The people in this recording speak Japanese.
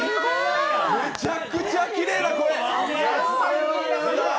めちゃくちゃきれいな声！